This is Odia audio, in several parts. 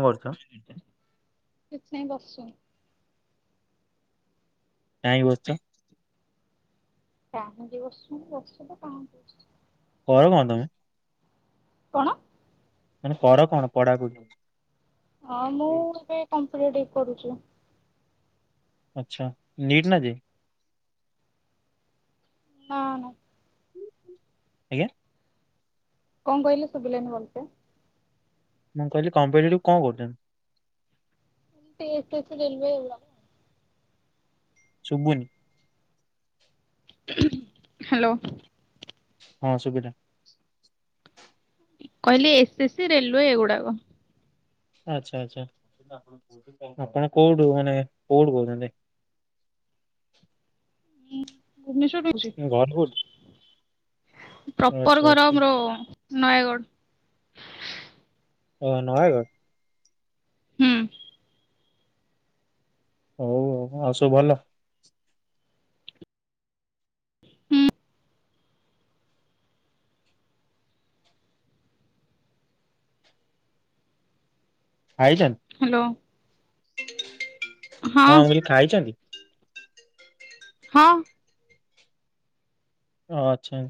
କଣ କରୁଛ? ନାଇଁ ବସିଚେ। କାହିଁ ବସିଚ? କାହିଁକି ବସଚି ମାନେ ବସଚି ତ କାହିଁକ ବସିଚି। କ କଣ ତମେ? କଣ? ମାନେ କର କଣ ପଢାପୁଢି? ହଁ ମୁଁ ଏବେ କମ୍ପିଟେଟିଭ - କରୁଚୁ ଆଛା ନିଟ ନା ଜେ ଇ? ହଁ ନା। ଆଜ୍ଞା? କଣ କହିଲେ ଶୁବିଲାନି ଭଲସେ? ମୁଁ କହିଲି କମ୍ପିଟେଟିଭ କଣ କରୁଛନ୍ତି? ସି ଏସ ସି, ରେଲୱେ ଏଇଗୁଡ଼ାକ। ଶୁବୁନି। ହ୍ୟାଲୋ। ହଁ ଶୁବିଲା। କହିଲି ଏସ୍ ଏସ୍ ସି, ରେଲୱେ ଏଇଗୁଡାକ। ଆଚ୍ଛା ଆଚ୍ଛା ଆପଣ କୋଉଠୁ ମାନେ କୋଉଠୁ କହୁଛନ୍ତି? ମୁଁ ଘର କୋଉଠି? ପ୍ରପର ଆଚ୍ଛା ଘର ଆଚ୍ଛା ଆମର ନୟାଗଡ଼। ଓ ନଆଗଡ଼। ହୁଁ। ହଉ ହଉ ଆଉ ସବୁ ଭଲ? ହୁଁ। ଖାଇଛନ୍। ହ୍ୟାଲୋ ହଁ ମୁଁ କହିଲି ଖାଇଛନ୍ତି? ହଁ। ଓ ଆଛା।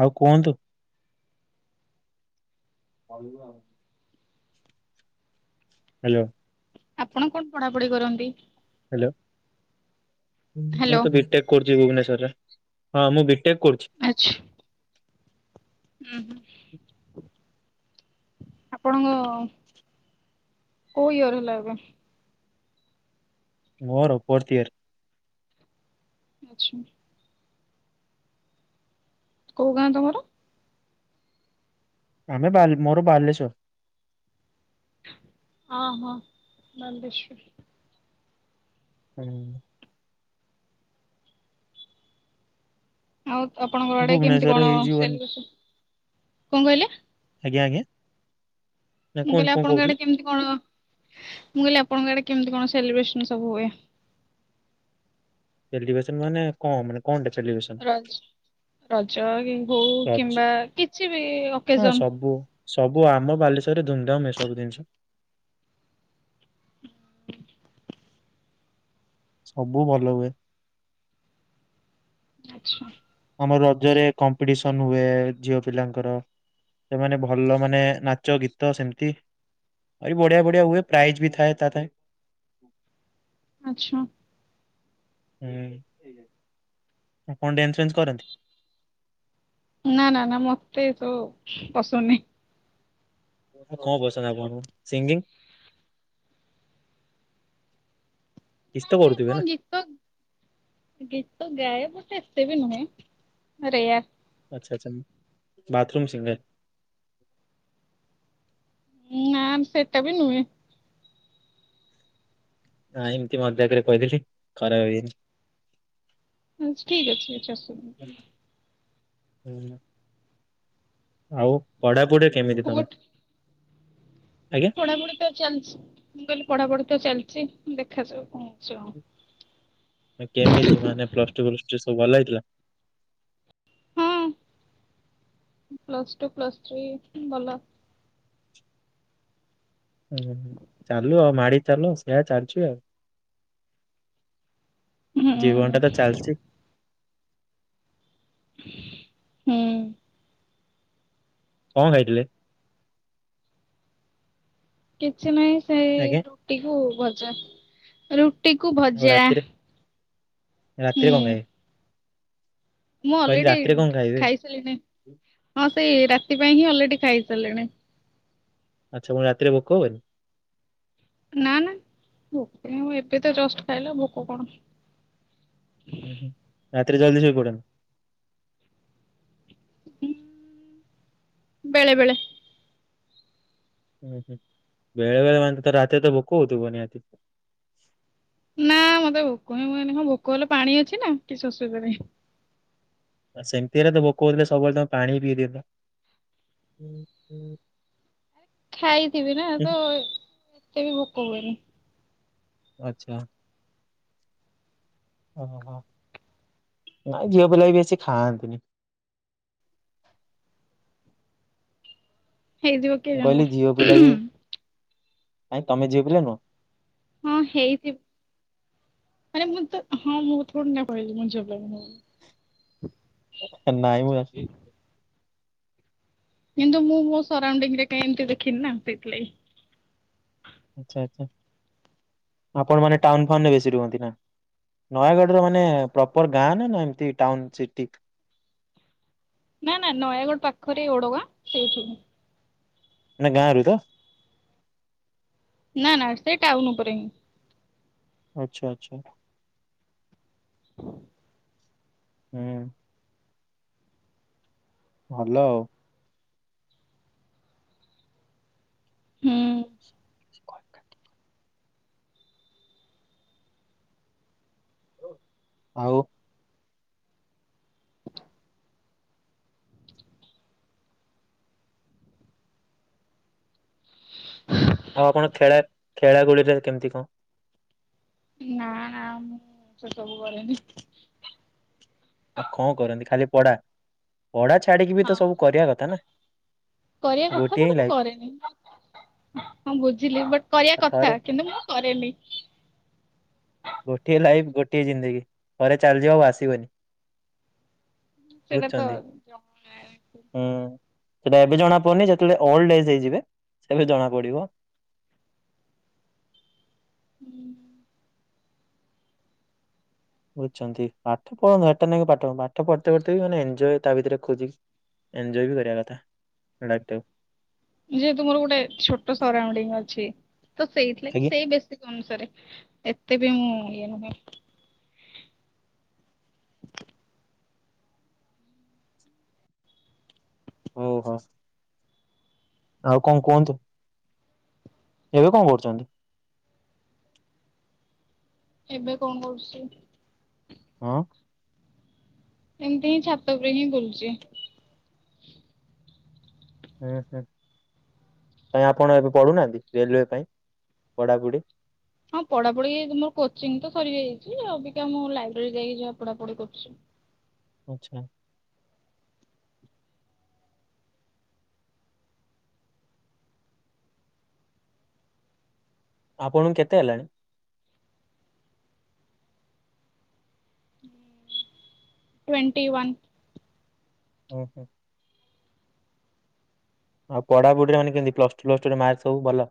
ଆଉ କୁହନ୍ତୁ। ହଳ ହାଲୋ। ଆପଣ କଣ ପଢାପଢି କରନ୍ତି? ହ୍ୟାଲୋ। ହଁ ମୁଁ ହ୍ୟାଲୋ ତ ବି ଟେକ୍ କରୁ ଛି ଭୁବନେଶ୍ଵରରେ ହଁ ମୁଁ ବି ବି ଟେକ୍ କରୁଛି। ଆଚ୍ଛା ହୁଁ ହୁଁ। ଆପଣଙ୍କ କୋଉ ଇଅର ହେଲା ଏବେ? ମୋର ଫୋର୍ଥ ଇଅର୍। ଆଛା। କୋଉ ଗାଁ ତମର? ଆମେ ବାଲ୍ ମୋର ବାଲେଶ୍ଵର। ଅ ହ ବାଲେଶ୍ୱର। ହୁଁ। ଆଉ ଆପଣଙ୍କର ଆଡେ କେମିତି ଭୁବନେଶ୍ଵରରେ କଣ ହେଇଯିବନି ସେଲିବ୍ରେସନ, କଣ କହିଲେ? ଆଜ୍ଞା ଆଜ୍ଞା। ନା ମୁଁ କଣ କଇଲି କଣ ଆପଣଙ୍କ ଆଡେ କହୁଥିଲେ କେମିତି କଣ? ମୁଁ କଇଲି ଆପଣଙ୍କ ଆଡେ କେମିତି କଣ ସେଲିବ୍ରେସନ ସବୁ ହୁଏ? ସେଲିବ୍ରେସନ ମାନେ କଁ ମାନେ କଣ ଟା? ରଜ୍ ରଜ କି ହଉ ରଜ କିମ୍ବା କିଛି ବି ହଁ ଓକେଜନ। ସବୁ ସବୁ ଆମ ବାଲେଶ୍ଵରରେ ଧୁମଧାମରେ ସବୁ ଜିନିଷ। ସବୁ ଭଲ ହୁଏ। ଆଚ୍ଛା। ହଁ ରଜରେ କମ୍ପିଟିସନ ହୁଏ, ଝିଅ ପିଲାଙ୍କର ସେମାନେ ଭଲ ମାନେ ନାଚ ଗୀତ ସେମତି ଆହୁରି ବଢିଆ ବଢିଆ ହୁଏ। ପ୍ରାଇଜ୍ ବି ଥାଏ ତା ପାଇଁ। ଆଚ୍ଛା। ହୁଁଉ। କଣ ଡ୍ୟାନ୍ସ ଫ୍ୟାନ୍ସ କରନ୍ତି? ନା ନା ନା ମତେ ତ ପସନ୍ଦ ନାହିଁ। କଣ ପସନ୍ଦ ଆପଣଙ୍କୁ ସିଙ୍ଗିଙ୍ଗ? କିଛି ନା ତ ନା କରୁଥିବେ ହଁ ଗୀତ ଗୀତ ଗାଏ ପଛେ। ସେ ବି ନୁହେଁ ଆରେ ୟାର ଆଛା ଆଛା ବାଥରୁମ୍ ସିଙ୍ଗର। ନା ସେଟା ବି ନୁହେଁ। ନାଇ ଏମିତି ମଜାକରେ କହିଦେଲି ଖରାପ ଭାବିଵେନି। ଆଛା ଠିକ୍ ଅଛି କିଛି ଅସୁବିଧା ନାଇଁ। ହଉ। ଆଉ ପଢାପଢି କେମିତି ତମେ ଆଜ୍ଞା ପଢାଢିପ ତ ଚାଲିଛି। ପଢାପଢ଼ି ତ ଚାଲିଛି ଦେଖାଯାଉ କଅଁ କେମିତି ମାନେ ପ୍ଲସ ଟୁ ପ୍ଲସ ଥ୍ରୀ ସବୁ ଭଲ ହେଇଥିଲା ପ୍ଲସ ଟୁ ପ୍ଲସ ଥ୍ରୀ ଭଲ ଚାଲୁ ଆଉ ମାଡି ଚାଲ ସେୟା ଚାଲିଛି ଆଉ ହୁଁ ଜୀବନ ଟା ତ ଚାଲଛି ହୁଁ। କଣ ଖାଇଥିଲେ? କି ଛି ନାଇଁ ସେ ଆଜ୍ଞା ରୁଟିକୁୁ ଭଜା ରୁ ଟିକୁ ଆଉ ଭଜା ରାତିରେ ହୁଁ ରାତିରେ କଣ ଖାଇବେ? ମୁଁ କହିଲି ରାତିରେ ଅଲରେଡି କଣ ଖାଇବେ ଖାଇସାରିଲିଣି, ହଁ ସେ ରାତି ଥି ପାଇଁ ହିଁ ଅଲରେଡି ଖାଇସାରିଲିଣି। ଆଚ୍ଛା ପୁଣି ରାତିରେ ଭୋକ ହବନି? ନା ନା ଭୋକ କାଇଁ ହବ ଏବେ ତ ଜଷ୍ଟ ଖାଇଲି ଆଉ ଭୋକ କଣ। ହୁଁ ହୁଁ। ରାତିରେ ଜଲଦି ଶୋଇ ପଡ଼? ଉଁ ବେଳେବେଳେ ହୁଁ ହୁଁ ବେଳେବେେଳେ ମାନେ ତ ରାତିରେ ତ ଭୋକ ହଉଥିବ ନିହାତି। ନାଁ ମତେ ଭୋକ ହିଁ ହୁଏନି ହଁ ଭୋକ ହେଲେ ପାଣି ଅଛି ନା କି ଶୋଷ କରେ। ଆ ସେମିତି ହେଲେ ତ ଭୋକ ହଉଥିଲେ ସବୁବେଳେ ତମେ ପାଣି ପିଇଦିଅନ୍ତ। ଖାଇଥିବି ନା ତ ଏତେ ବି ଭୋକ ହୁଏନି। ଆଚ୍ଛା। ଓହୋ ହଁ ନାଇଁ ଝିଅ ପିଲା ବି ବେଶି ଖାଆନ୍ତିନି। ହେଇଥିବ କିଏ ମୁଁ କହିଲି ଜାଣିଲା। ଝିଅ ପିଲା ବି କାଇଁ ତମେ ଝିଅପିଲା ନୁହଁ? ହଁ ହେଇଥିବ ମାନେ ମୁଁ ତ ହଁ ମୁଁ ଥୋଡି ନା କହିଲି ମୁଁ ଝିଅ ପିଲା ନୁହେଁ ବୋଲି। ହେ ନାଇଁ ମ କିନ୍ତୁ ମୁଁ ମୋ ସରାଉଡିଙ୍ଗରେ କାଇଁ ଏମିତି ଦେଖିନି ନା ସେଇଥିଲାଗି। ଆଚ୍ଛା ଆଚ୍ଛା ଆପଣ ମାନେ ଟାଉନ ଫାଉନରେ ବେଶୀ ରୁହନ୍ତି ନା ନୟାଗଡ଼ର ମାନେ ପ୍ରପର ଗାଁ ନା ନା ଏମତି ଟାଉନ ସିଟି? ନାଁ ନାଁ ନୟାଗଡ଼ ପାଖରେ ଓଡଗାଁ ସେଇଠୁ। ନା ଗାଁ ରୁ ତ? ନାଁ ନାଁ ସେଇ ଟାଉନ ଉପରେ ହିଁ। ଆଚ୍ଛା ଆଚ୍ଛା। ହୁଁ। ଭଲ ଆଉ। ହୁଁ। [unintelligible] ଆଉ ଆଉ ଆପଣ ଖେଳା ଖେଳା ଖୁଳିରେ କେମିତି କଣ? ନା ନା ମୁଁ ସେ ସବୁ କରେନି। ଆଉ କଣ କରନ୍ତି ଖାଲି ପଢା? ପଢା ଛାଡିକି ବି ହଁ ତ ସବୁ କରିବା କଥା ନା କରିବା କଥା ଗୋଟିଏ ହିଁ ବଟ୍ ମୁଁ ଲାଇଫ କରେନି ହଁ ବୁଝିଲି ବଟ୍ କରିବା ଥରେ କଥା କିନ୍ତୁ ମୁଁ କରେନି। ଗୋଟିଏ ଲାଇଫ ଗୋଟିଏ ଜିନ୍ଦଗି ଥରେ ଚାଲିଯିବ ଆଉ ଆସିବନି। ସେଇଟା ତ ବୁଝୁଚନ୍ତି ଜମା। ହୁଁ। ସେଟା ଏବେ ଜଣା ପଡୁନି ଯେତେବେଳେ ଓଲଡ ଏଜ ହେଇଯିବେ ସେ ବି ଜଣା ପଡିବ। ବୁଝୁଛନ୍ତି ପାଠ ପଢନ୍ତୁ ଏଟା ନାଇ ପାଠ ପାଠ ପଢତେ ପଢ଼ତେ ମାନେ ଏଞ୍ଜୟ ତା ଭିତରେ ଖୋଜି ଏଞ୍ଜୟ ବି କରିବା କଥା ଲାଇଫ ଟାକୁ। ଯେହେତୁ ମୋର ଗୋଟେ ଛୋଟ ସରାଉଣ୍ଡିଙ୍ଗ ଅଛି। ତ ସେଇଥି ଲାଗି ଆଜ୍ଞା ସେଇ ବେଶୀକ ଅନୁସାରେ ଏତେ ବି ମୁଁ ଆରିୟାନ ଭାଇ ହଉ ହ ଆଉ କଣ କୁହନ୍ତୁ। ଏବେ କଣ କରୁଛନ୍ତି। ଏବେ କଣ କରୁଛି। ହଁ। ଏମତି ହିଁ ଛାତ ଉପରେ ହିଁ ବୁଲୁଚି ହୁଁ ହୁଁ କ ଆପଣ ଏବେ ପଢୁନାହାନ୍ତି ରେଲୱେ ପାଇଁ ପଢା଼ପୁଢି଼। ହଁ ପଢାପଢି ମର କୋଚିଂ ତ ସରି ଯାଇଛି ଅବିକା ମୁଁ ଲାଇବ୍ରେରୀ ଯାଇକି ଯାହା ପଢାପଢି କରୁଛି। ଆଚ୍ଛା। ଆପଣଙ୍କୁ କେତେ ହେଲାଣି। Twenty one. ଓ ହୋ। ଆଉ ପଢ଼ା ପୁଢି଼ରେ ମାନେ କେମତି ପ୍ଲସ ଟୁ ପ୍ଲସ ଟୁ ରେ ମାର୍କ ସବୁ ଭଲ।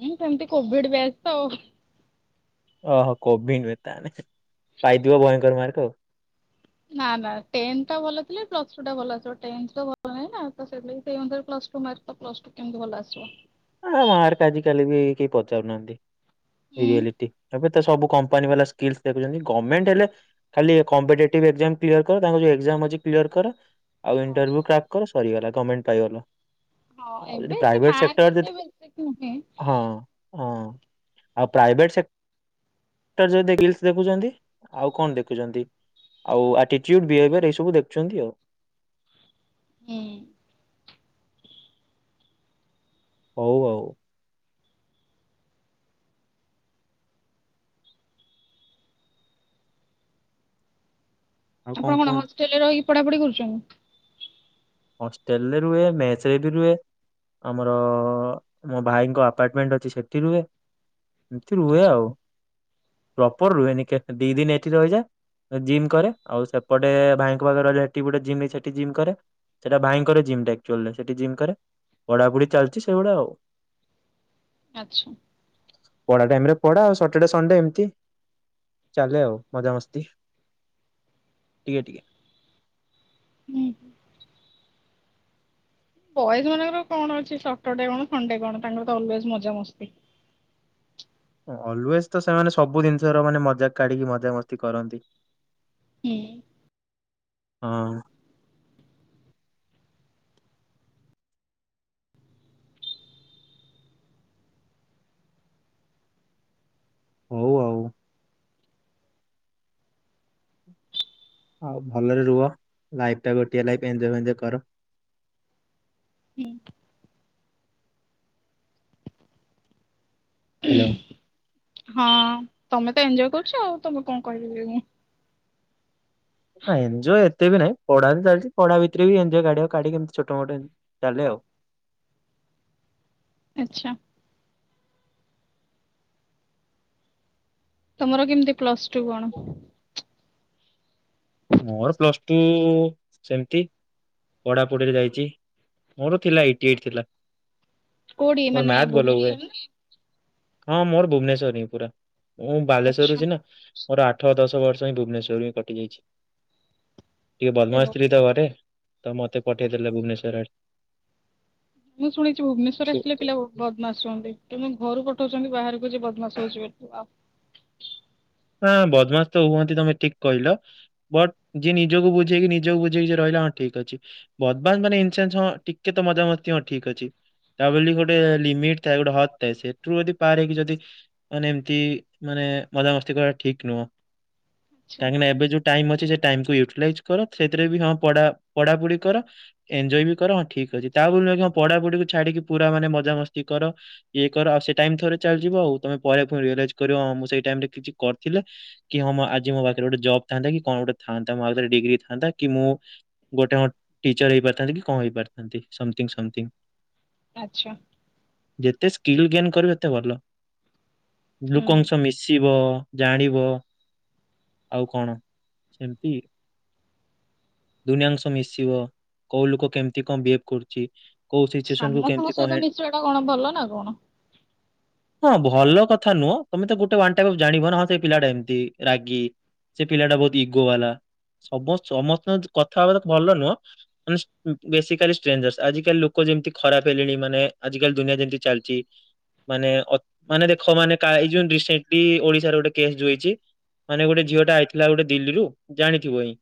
ହଁୁ ସେମିତି କୋଭିଡ ବ୍ୟାଚ ତ ଆଉ। ଓହୋ କୋବି ନୁହେଁ ତାହେନେ ପାଇଥିବ ଭୟଙ୍କର ମାର୍କ ଆଉ। ନା ନା ଟେନ୍ଥ ଟା ଭଲ ଥିଲେ ପ୍ଲସ୍ ଟୁ ଟା ଭଲ ଆସିବ ଟେନ୍ଥ ତ ଭଲ ନାହିଁ ତ ସେଇଥିଲାଗି ସେଇ ଅନୁସାରେ ପ୍ଲସ ଟୁ ମାର୍କ ତ ପ୍ଲସ ଟୁ କେମତି ଭଲ ଆସିବ। ଆଉ ମାର୍କ ଆଜି କାଲି ବି କେହି ପଚାରୁନାହାନ୍ତି। ଏ ହୁଁ ରିୟାଲିଟି ପୋ ତ ସବୁ କମ୍ପାନୀ ବାଲା ସ୍କିଲ ଦେଖୁଛନ୍ତି ଗମେଣ୍ଟ ହେଲେ ଖାଲି କମ୍ପିଟେଟିଭ ଏକ୍ଜାମ କ୍ଲିୟର କର ତାଙ୍କୁ ଯୋଉ ଏକ୍ଜାମ୍ ଅଛି କ୍ଲିୟର କର। ଆଉ ହଁ ଇଣ୍ଟରଭ୍ୟୁ କ୍ରାକ୍ କର ସରିଗଲା ଗମେଣ୍ଟ। ପାଇଗଲ। ହଁ ଆଉ ଯଦି ଏବେ ସେ ପ୍ରାଇଭେଟ ମାର୍କ ସେକ୍ଟର ଏତେ ଯଦି ବେଶିକ୍ ନୁହେଁ ହଁ ହଁ। ଆଉ ପ୍ରାଇଭେଟ ସେକ୍ଟର ସ୍କିଲ୍ ଦେଖୁଛନ୍ତି ଆଉ କଣ ଦେଖୁଛନ୍ତି ଆଉ ଆଟିଟ୍ୟୁଡ ବିହେବିୟର ଏସବୁ ଦେଖୁଛନ୍ତି ଆଉ। ହୁଁ। ହଉ ଆଉ। ଆଉ ଆପଣ କଣ କୁହନ୍ତୁ ହଷ୍ଟେଲରେ ରହି ପଢାପଢ଼ି କରୁଛନ୍ତି। ହଷ୍ଟେଲରେ ରୁହେ ମେସ ରେ ବି ରୁହେ ଆମର ମୋ ଭାଇଙ୍କ ଆପାର୍ଟମେଣ୍ଟ ଅଛି ସେଠି ରୁହେ। ଏମ୍ତି ରୁହେ ଆଚ୍ଛା ଆଉ ପ୍ରପର୍ ରୁହେନି କେତ୍ ଦି ଦିନ୍ ଏଠି ରହିଯାଏ ଜିମ୍ କରେ ଆଉ ସେପଟେ ଭାଇଙ୍କ ପାଖ ରେ ରହିଲେ ଏଠିବି ଗୁଟେ ଜିମ୍ ନି ସେଠି ଜିମ୍ କରେ ସେଟା ଭାଇଙ୍କର ଜିମ୍ ଟା ଏକ୍ଚୁଲ୍ ନେଇ ଜିମ୍ କରେ ପଢ଼ାପୁଢ଼ି ଚାଲ୍ଛି ସେଗୁଡ଼ା ଆଉ ଆଚ୍ଛା। ପଢ଼ା ଟାଇମ୍ ରେ ପଡ଼ା ଆଉ ସଟର୍ଡେ ସଣ୍ଡେ ଏମିତି ଚାଲେ ଆଉ ମଜାମସ୍ତି ଟିକେ ଟିକେ ହୁଁ ବଏଜ୍ ମାନଙ୍କର କଣ ଅଛି ସଟର୍ ଡ଼େ କଣ ସଣ୍ଡେ କଣ ତାଙ୍କର ତ ଅଲ୍ୱେଜ୍ ମଜା ମସ୍ତି ଅଲ୍ୱେଜ୍ ତ ସେମାନେ ସବୁ ଜିନ୍ଷର ମାନେ ମଜାକ୍ କାଢି଼କି ମଜାକ୍ ମସ୍ତି କରନ୍ତି ହୁଁ ହଁ ହଉ ଆଉ ଭଲରେ ରୁହ ଲାଇଫ୍ ଟା ଗୋଟିଏ ଲାଇଫ୍ ଏଞୟ ବେଞ୍ଜୟ କର। ହୁଁ ହ୍ୟାଲୋ ଉଁ ହଁ ତମେ ତ ଏଞୟ କରୁଛ ଆଉ ତମକୁ କଣ କହିବି ଆ ତେବେ ନାଇ ପଢ଼ା ବି ଚାଲିଛି ପଢ଼ା ବିକ୍ରେ ବି ଏଞୟ କାଢ଼ିବାଉ କାଢ଼ିକି ଏମ୍ତି ଛୋଟ ମୋଟ ଏମ୍ତି ଚାଲେ ଆଉ ଆଚ୍ଛା ତମର କିମ୍ତି ପ୍ଲସ୍ଟୁ କଣ ମୋର ପ୍ଲସ୍ଟୁ ସେମ୍ତି ପଢ଼ାପୁଡ଼ିରେ ଯାଇଚି ମୋର ଥିଲା ଏଇଟି ଏଇଟ୍ ଥିଲା। କୋଉଠି ମୋର ମାନେ ମ୍ୟାଥ ଭଲ ହୁଏ ଭୁବନେଶ୍ୱର ନା ହଁ ମୋର୍ ଭୁବନେଶ୍ୱରରେ ହିଁ ପୁରା ମୁଁ ଆଚ୍ଛା ବାଲେଶ୍ଵରରୁ ସିନା ମୋର ଆଠ ଦଶ ବର୍ଷ ହିଁ ଭୁବନେଶ୍ୱର୍ ରୁ ହିଁ କଟିଯାଇଛି। ଟିକେ ଏ ବଦମାସ୍ ଭ- ଥିଲି ତ ଘରେ ତ ମତେ ପଠେଇଦେଲ ଭୁବନେଶ୍ୱର୍ ଆଡ଼େ ମୁଁ ଶୁଣିଛି ଭୁବନେଶ୍ୱରରେ ଆକଚୁଆଲି ପିଲା ଆଡେ। ବଦମାସ୍ ହୁଅନ୍ତି କିନ୍ତୁ ଘରୁକ ପଠଉଛନ୍ତି ବାହାରକୁ ଯେ ବଦମାସ୍ ହଉଛି ବୋଲି ଆ ହାଁ ବଦମାସ୍ ତ ହୁଅନ୍ତି ତମେ ଠିକ୍ କହିଲ ବଟ୍ ଯିଏ ନିଜକୁ ବୁଝେଇକି ନିଜକୁ ବୁଝେଇକି ଯେ ରହିଲା ହଁ ଠିକ୍ ଅଛି ବଦମାସ୍ ମାନେ ଇନସେନ୍ସ ହଁ ଟିକେ ତ ମଜାମସ୍ତି ହଁ ଠିକ୍ ଅଛି ତା ବଲି ଗୋଟେ ଲିମିଟ୍ ଥାଏ ଗୋଟେ ହତ୍ ଥାଏ ସେଠୁ ଯଦି ପାର୍ ହେଇକି ଯଦି ମାନେ ଏମତି ମାନେ ମଜାମସ୍ ସେଗୁଡ଼ା ଠିକ୍ ନୁହଁ ଆଚ୍ଛା କାହିଁକିନା ଏବେ ଯୋଉ ଟାଇମ୍ ଅଛି ସେ ଟାଇମ୍ କୁ ୟୁଟିଲାଇଜ୍ କର ସେଥିରେ ବି ହଁ ପଢ଼ା ପଢାପୁଡ଼ି କର ଏଞୟ ବି କର ହଁ ଠିକ୍ ଅଛି ତା ବୋଲି ନୁହେଁ କି ହଁ ପଢ଼ାପୁଡ଼ିକୁ ଛାଡିକି ପୁରା ମାନେ ମଜାମସ୍ତି କର ୟେ କର ଆଉ ସେ ଟାଇମ୍ ଥରେ ଚାଲ୍ ଯିବ ଆଉ ତମେ ପରେ ଫୁଣି ରିଅଲାଇଜ୍ କରିବ ହଁ ସେ ଟାଇମ୍ ରେ ମୁଁ କିଛି କରଥିଲେ କି ହଁ ମୋ ଆଜି ମୋ ପାଖରେ ଗୋଟେ ଜବ୍ ଥାନ୍ତା କି କଣ୍ ଗୋଟେ ଥାନ୍ତା ମୋ ହାତରେ ଡିଗ୍ରୀ ଥାନ୍ତା କି ମୁଁ ଗୋଟେ ହଁ ଟିଚର୍ ହେଇପାରିଥାନ୍ତି କି କଣ୍ ହେଇପାରିଥାନ୍ତି ସମଥିଙ୍ଗ୍ ସମଥିଙ୍ଗ୍ ଆଛା। ଯେତେ ସ୍କିଲ୍ ଗେନ୍ କରିବେ ସେତେ ଭଲ ହୁଁ ଲୁକଙ୍କ ସହ ମିଶିବ ଜାଣିବ ଆଉ କଣ ସେମତି ଦୁନିଆଙ୍କ ସହ ମିଶିବ କୋଉ ଲୋକ କେମତି କଣ ବିହେବ୍ କରୁଛି କୋଉ ସିଚୁଏସନ କୁ କେମିତି ସମସ୍ତଙ୍କ କଣ ସାହିତ ହେ ମିଶିବାଟା କଣ ଭଲ ନା କଣ? ହଁ ଭଲ କଥା ନୁଅଁ ତମେ ତ ଗୋଟେ ୱାନ୍ ଟାଇପ୍ ଅଫ ଜାଣିବ ନା ହଁ ସେ ପିଲାଟା ଏମତି ରାଗି ସେ ପିଲାଟା ବହୁତ୍ ଇଗୋ ୱାଲା ସମସ ସମସ୍ତଙ୍କ ସହ କଥା ହବା ତ ଭଲ ନୁଅଁ ଉଁସ୍ ଉଁ ବେଶୀକାଲି ଷ୍ଟ୍ରେଞ୍ଜର୍ସ ଆଜିକାଲି ଲୋକ ଯେମତି ଖରାପ୍ ହେଲେଣି ମାନେ ଆଜିକାଲି ଦୁନିଆ ଯେମତି ଚାଲଚି ମାନେ ଅତ୍ ମାନେ ଦେଖ ମାନେ କା ଏ ଯୋଉଁ ରିସେଣ୍ଟ୍ଲି ଓଡ଼ିଶାର ଗୁଟେ କେସ୍ ଯୋଉ ହେଇଚି ମାନେ ଗୁଟେ ଝିଅ ଟା ଆଇଥିଲା ଗୋଟେ ଦିଲ୍ଲୀରୁୁ ଜାଣିଥିବ ଏଇ